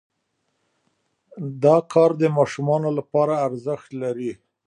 دا کار د ماشومانو لپاره ارزښت لري.